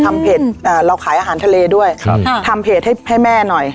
เพจเอ่อเราขายอาหารทะเลด้วยครับค่ะทำเพจให้ให้แม่หน่อย